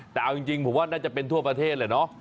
แต่เอาจริงผมว่าน่าจะเป็นทั่วประเทศแหละเนาะ